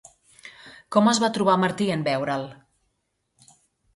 Com es va trobar Martí en veure'l?